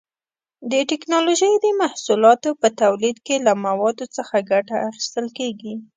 د ټېکنالوجۍ د محصولاتو په تولید کې له موادو څخه ګټه اخیستل کېږي.